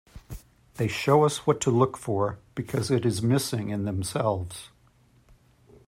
They show us what to look for because it is missing in themselves.